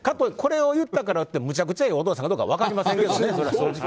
これを言ったからってむちゃくちゃいいお父さんかどうかは分かりませんけどね。